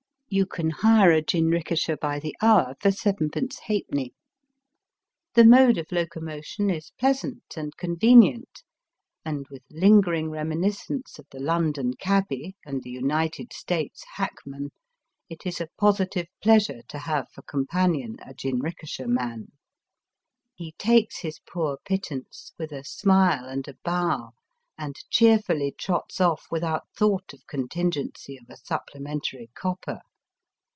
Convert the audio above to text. You can hire a jinrikisha by the hour for 7^d. The mode of locomotion is pleasant and conve nient, and with lingering reminiscence of the London cabby and the United States hackman, it is a positive pleasure to have for companion a jinrikisha man. He takes his poor pittance with a smile and a bow, and cheerfully trots off without thought of contingency of a supplementary copper.